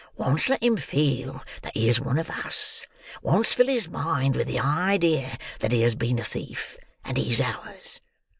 Once let him feel that he is one of us; once fill his mind with the idea that he has been a thief; and he's ours!